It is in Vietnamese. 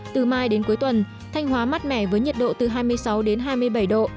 từ mai đến cuối tuần thanh hóa mắt mẻ với nhiệt độ từ hai mươi sáu đến hai mươi bảy độ